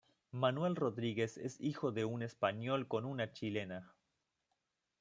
Manuel Rodríguez es hijo de un español con una chilena.